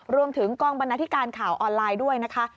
รวมถึงกองบรรณาธิการข่าวออนไลน์ด้วยนะคะ